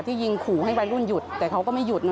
ยิงขู่ให้วัยรุ่นหยุดแต่เขาก็ไม่หยุดนะ